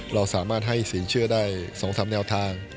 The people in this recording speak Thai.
เราสามารถให้สินเชื่อได้๒๓แนวทาง